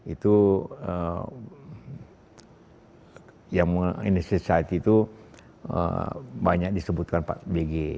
itu yang menginvestisasi itu banyak disebutkan pak bg